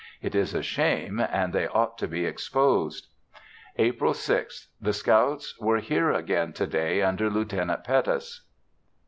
It is a shame and they ought to be exposed. April 6th. The scouts were here again to day under Lieut. Pettus.